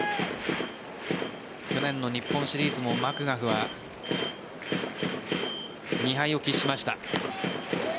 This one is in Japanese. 去年の日本シリーズもマクガフは２敗を喫しました。